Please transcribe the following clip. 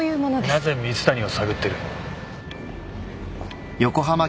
なぜ蜜谷を探ってる？